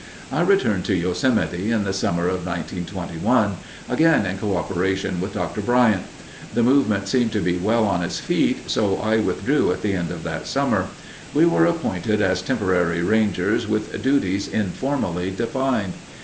I returned to Yosemite in the summer of 1921—again in coöperation with Dr. Bryant. The movement seemed to be well on its feet so I withdrew at the end of that summer. We were appointed as temporary rangers with duties informally defined.